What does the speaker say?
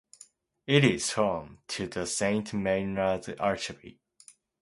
It is home to the Saint Meinrad Archabbey.